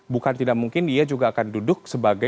bukan tidak mungkin dia juga akan duduk sebagai